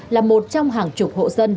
là một trong hàng chục hộ dân